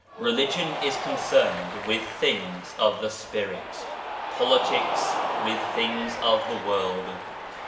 Religion is concerned with things of the Spirit, politics with things of the world.